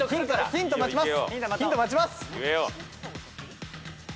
ヒント待ちます。